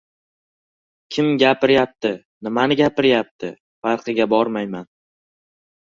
Kim gapirayapti, nimani gapirayapti, farqiga bormayman.